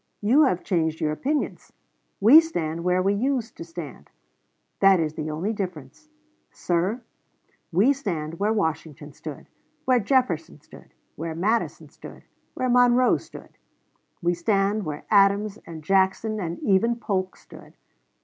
You have changed your opinions. We stand where we used to stand, That is the only difference.... Sir, we stand where Washington stood, where Jefferson stood, where Madison stood, where Monroe stood. We stand where Adams and Jackson and even Polk stood.